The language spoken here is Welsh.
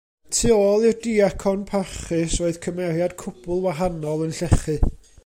Tu ôl i'r diacon parchus roedd cymeriad cwbl wahanol yn llechu.